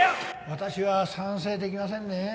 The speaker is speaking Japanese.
私は賛成できませんねえ。